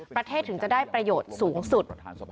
ประเทศถึงจะได้ประโยชน์สูงสุด